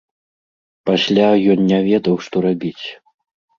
Пасля ён не ведаў, што рабіць.